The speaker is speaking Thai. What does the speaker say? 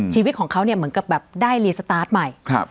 ชีวิตของเขาเนี่ยเหมือนกับแบบได้รีสตาร์ทใหม่